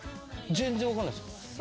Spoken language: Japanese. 全然分かんないっす。